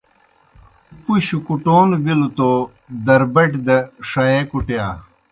پُشوْ کُٹون بِلوْ تو دربٹیْ دہ ݜیے کُٹِیا